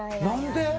何で？